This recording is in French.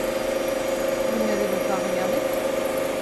Vous ne l’avez donc pas regardée ?